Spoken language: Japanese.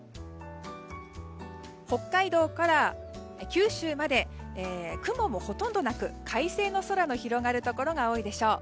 北海道から九州まで雲もほとんどなく快晴の空が広がるところが多いでしょう。